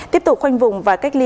tiếp tục khoanh vùng và cách ly